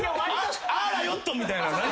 あらよっとみたいな何それ？